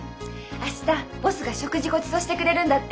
明日ボスが食事ごちそうしてくれるんだって。